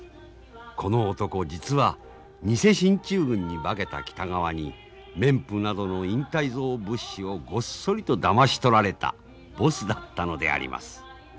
この男実は偽進駐軍に化けた北川に綿布などの隠退蔵物資をごっそりとだまし取られたボスだったのであります。